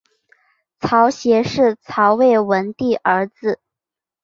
曹协是曹魏文帝儿子。